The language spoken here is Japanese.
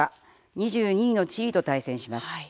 ２２位のチリと対戦します。